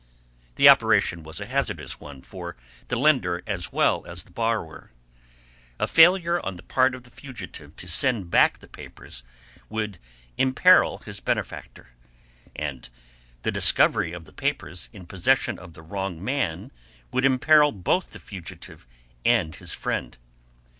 The operation was a hazardous one for the lender as well as for the borrower. A failure on the part of the fugitive to send back the papers would imperil his benefactor, and the discovery of the papers in possession of the wrong man would imperil both the fugitive and his friend.